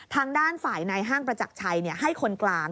ทางด้านฝ่ายในห้างประจักรชัยให้คนกลาง